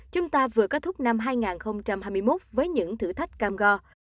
chúng ta vừa kết thúc năm hai nghìn hai mươi một với những thử thách cam go